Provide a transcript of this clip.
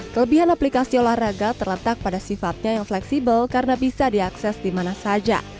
kelebihan aplikasi olahraga terletak pada sifatnya yang fleksibel karena bisa diakses di mana saja